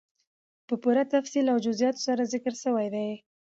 په پوره تفصيل او جزئياتو سره ذکر سوي دي،